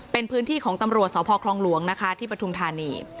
เป็นพื้นที่ของตำรวจสพคลองหลวงนะคะที่ปฐุมธานี